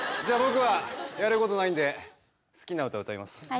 じゃ僕はやることないんで好きな歌歌います。